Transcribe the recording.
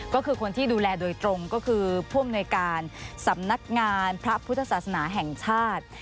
ก็คือคนที่ดูแลโดยตรงก็คือผู้อำนวยการสำนักงานพระพุทธศาสนาแห่งชาติ